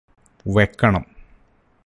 വെക്കണം